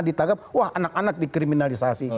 ditangkap wah anak anak dikriminalisasi